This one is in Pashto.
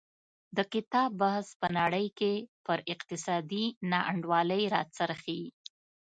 د کتاب بحث په نړۍ کې پر اقتصادي نا انډولۍ راڅرخي.